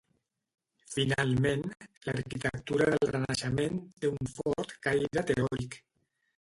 Finalment, l'arquitectura del Renaixement té un fort caire teòric.